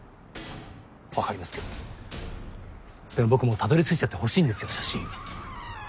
わかりますけどでも僕もうたどりついちゃって欲しいんですよ写真。